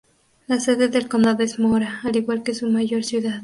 La sede del condado es Mora, al igual que su mayor ciudad.